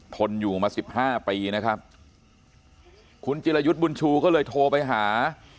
ทนอยู่มาสิบห้าปีนะครับคุณจิรยุทธ์บุญชูก็เลยโทรไปหา